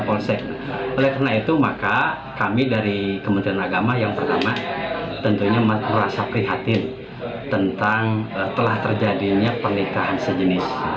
oleh karena itu maka kami dari kementerian agama yang pertama tentunya merasa prihatin tentang telah terjadinya pernikahan sejenis